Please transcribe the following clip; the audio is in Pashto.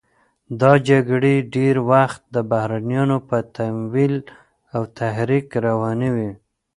دا جګړې ډېری وخت د بهرنیانو په تمویل او تحریک روانې وې.